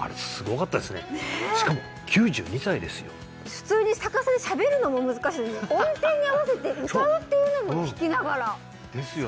普通に逆さにしゃべるのも難しいのに音程に合わせて歌うっていうのも弾きながらですよね